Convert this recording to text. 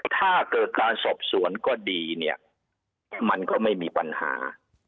ถ้าเกิดการสอบสวนก็ดีเนี่ยมันก็ไม่มีปัญหา